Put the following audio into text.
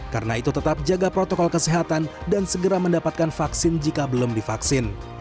karena itu tetap jaga protokol kesehatan dan segera mendapatkan vaksin jika belum divaksin